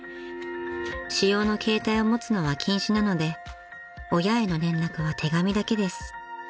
［私用の携帯を持つのは禁止なので親への連絡は手紙だけです］